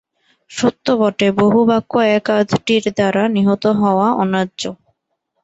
সত্য বটে, বহু বাক্য এক-আধটির দ্বারা নিহত হওয়া অন্যায্য।